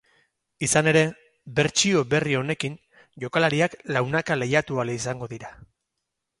Izan ere, bertsio berri honekin jokalariak launaka lehiatu ahal izango dira.